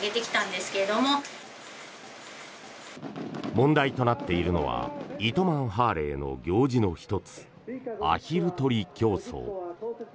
問題となっているのは糸満ハーレーの行事の１つアヒル取り競争。